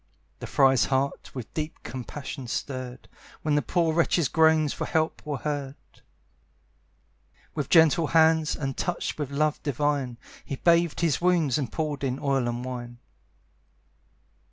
The friar's heart with deep compassion stirred, When the poor wretch's groans for help were heard With gentle hands, and touched with love divine, He bathed his wounds, and poured in oil and wine.